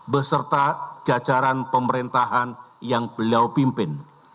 beserta jajaran pemerintahan yang beliau pimpin